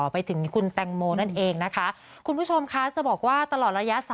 ไปถึงคุณแตงโมนั่นเองนะคะคุณผู้ชมคะจะบอกว่าตลอดระยะ๓